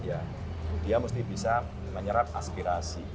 ya dia mesti bisa menyerap aspirasi